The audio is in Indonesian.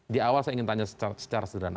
di awal saya ingin tanya secara sederhana